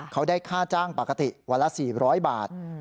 เขาได้ค่าจ้างปกติวันละสี่ร้อยบาทอืม